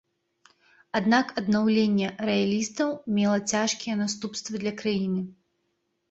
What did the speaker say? Аднак аднаўленне раялістаў мела цяжкія наступствы для краіны.